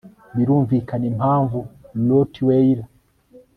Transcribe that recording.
birumvikana impamvu rottweiler